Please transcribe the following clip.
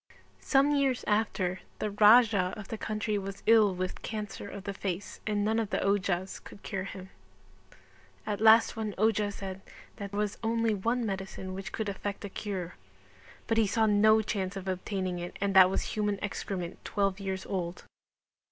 Some years after the Raja of the country was ill with cancer of the face and none of the ojhas could cure him. At last one ojha said that there was only one medicine which could effect a cure, but he saw no chance of obtaining it and that was human excrement 12 years old.